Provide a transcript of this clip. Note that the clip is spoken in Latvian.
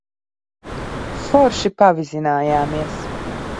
Forši pavizinājāmies.